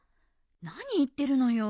何言ってるのよ。